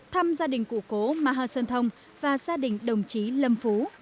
thăm gia đình cụ cố maha sơn thông và gia đình đồng chí lâm phú